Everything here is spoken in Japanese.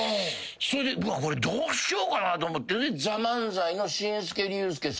それでこれどうしようかなと思って。